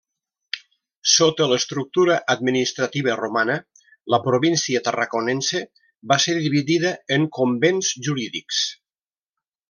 Sota l'estructura administrativa romana, la província Tarraconense va ser dividida en convents jurídics.